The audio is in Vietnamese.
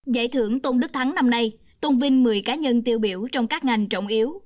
giải thưởng tôn đức thắng năm nay tôn vinh một mươi cá nhân tiêu biểu trong các ngành trọng yếu